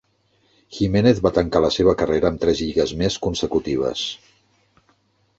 Jiménez va tancar la seva carrera amb tres lligues més consecutives.